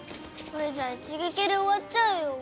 これじゃあ一撃で終わっちゃうよ。